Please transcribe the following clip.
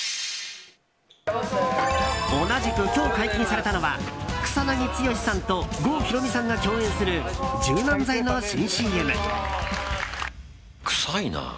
同じく今日解禁されたのは草なぎ剛さんと郷ひろみさんが共演するくさいな。